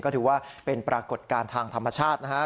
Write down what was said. ก็ถือว่าเป็นปรากฏการณ์ทางธรรมชาตินะฮะ